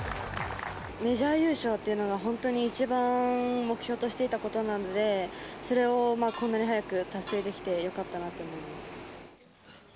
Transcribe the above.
メジャー優勝っていうのが、本当に一番目標としていたことなので、それをこんなに早く達成できて、よかったなと思います。